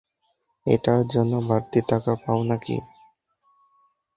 এটার জন্য বাড়তি টাকা পাও নাকি?